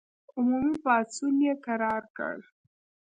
عمومي پاڅون یې کرار کړ.